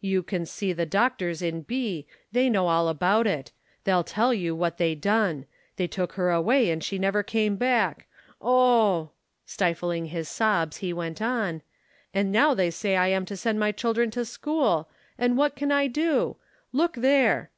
You can see the doctors in B , they know all about it they'll tell you what they done they took her away, and she never come back Oh!" Stifling his sobs, he went on, "And now they say I am to send my children to school and what can I do ? Look there